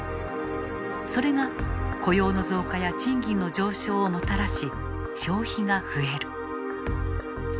それが雇用の増加や賃金の上昇をもたらし消費が増える。